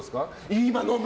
今飲む？